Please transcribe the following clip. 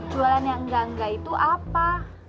jualan yang enggak enggak itu apa